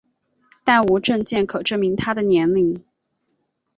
但无证件可证明她的年龄。